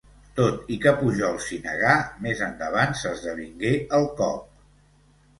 Tot i que Pujol s'hi negà, més endavant s'esdevingué el cop.